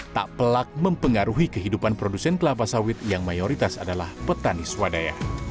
tak pelak mempengaruhi kehidupan produsen kelapa sawit yang mayoritas adalah petani swadaya